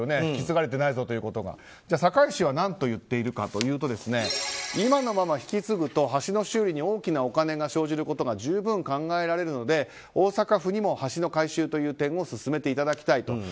引き継がれてないということが堺市は何といってるかというと今のまま引き継ぐと橋の修理に大きなお金が生じることが十分考えられるので大阪府にも橋の改修という点を進めていただきたいと。